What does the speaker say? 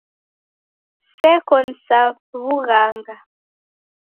Seko ni sa w'ughanga.